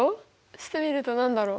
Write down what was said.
してみると何だろう？